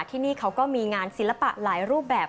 ที่นี่เขาก็มีงานศิลปะหลายรูปแบบ